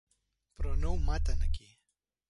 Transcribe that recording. Però no ho maten aquí.